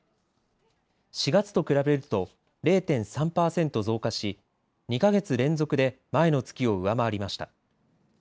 ４月と比べると０．３パーセント増加し２か月連続で前の月を上回りました。